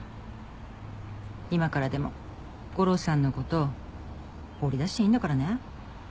今からでも吾良さんの事放り出していいんだからね。